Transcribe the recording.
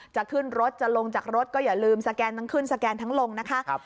จะขึ้นรถจะลงจากรถก็อย่าลืมสแกนทั้งขึ้นสแกนทั้งลงนะคะ